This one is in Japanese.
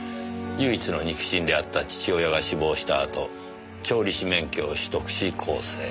唯一の肉親であった父親が死亡したあと調理師免許を取得し更生。